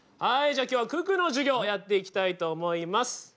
はいじゃあ今日は九九の授業やっていきたいと思います。